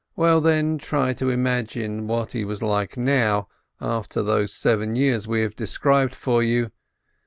— well, then try to imagine what he was like now, after those seven years we have described for you!